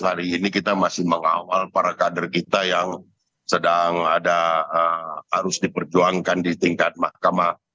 hari ini kita masih mengawal para kader kita yang sedang ada harus diperjuangkan di tingkat mahkamah